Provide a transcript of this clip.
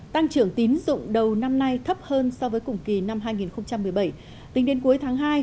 tăng trưởng tín dụng đầu năm nay thấp hơn so với cùng kỳ năm hai nghìn một mươi bảy tính đến cuối tháng hai